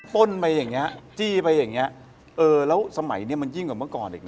้นไปอย่างนี้จี้ไปอย่างเงี้เออแล้วสมัยนี้มันยิ่งกว่าเมื่อก่อนอีกนะ